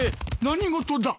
何事だ？